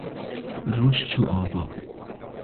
Roj çû ava